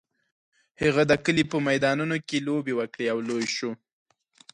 هغه د کلي په میدانونو کې لوبې وکړې او لوی شو.